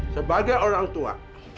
sebagai orang tua